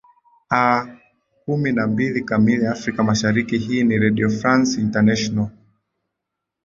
aa kumi na mbili kamili afrika mashariki hii ni redio france international